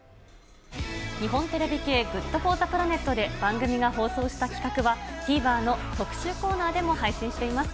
日本テレビ系、ＧｏｏｄＦｏｒｔｈｅＰｌａｎｅｔで、番組が放送した企画は、ＴＶｅｒの特集コーナーでも配信しています。